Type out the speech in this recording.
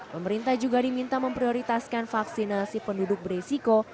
pemerintah juga diminta memprioritaskan vaksinasi penduduk berisiko